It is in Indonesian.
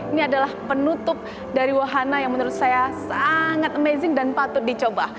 ini adalah penutup dari wahana yang menurut saya sangat amazing dan patut dicoba